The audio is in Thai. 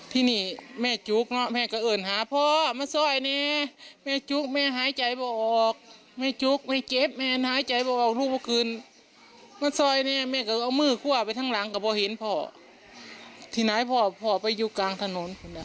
ที่ไหนพอไปอยู่กลางถนน